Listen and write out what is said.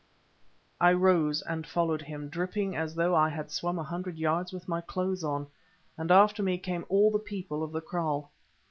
I rose and followed him, dripping as though I had swum a hundred yards with my clothes on, and after me came all the people of the kraal.